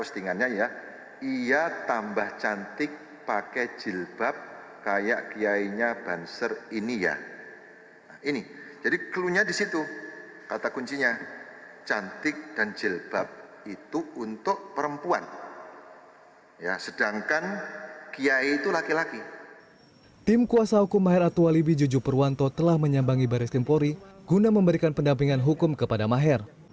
tim kuasa hukum maher atualibi juju perwanto telah menyambangi baris empori guna memberikan pendampingan hukum kepada maher